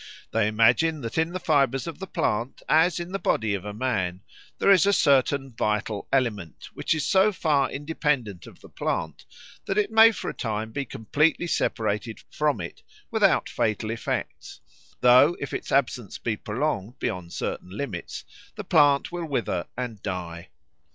They imagine that in the fibres of the plant, as in the body of a man, there is a certain vital element, which is so far independent of the plant that it may for a time be completely separated from it without fatal effects, though if its absence be prolonged beyond certain limits the plant will wither and die.